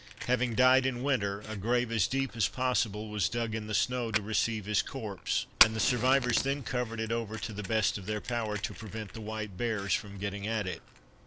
Having died in winter, a grave as deep as possible was dug in the snow to receive his corpse, and the survivors then covered it over to the best of their power, to prevent the white bears from getting at it.